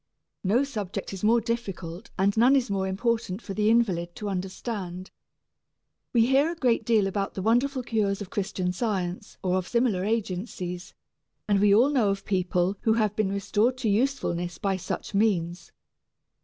No subject is more difficult and none is more important for the invalid to understand. We hear a great deal about the wonderful cures of Christian Science or of similar agencies, and we all know of people who have been restored to usefulness by such means.